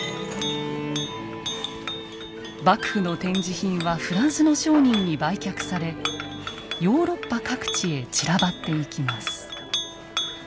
幕府の展示品はフランスの商人に売却されヨーロッパ各地へ散らばっていきます。